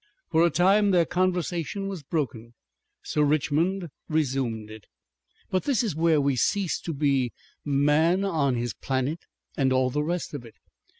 For a time their conversation was broken. Sir Richmond resumed it. "But this is where we cease to be Man on his Planet and all the rest of it.